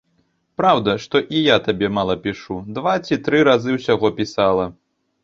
Праўда, што і я табе мала пішу, два ці тры разы ўсяго пісала.